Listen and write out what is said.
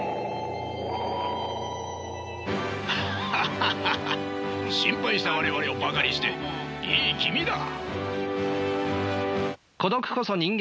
ハハハハ心配した我々をバカにしていい気味だ。